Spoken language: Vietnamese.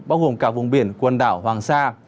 bao gồm cả vùng biển quần đảo hoàng sa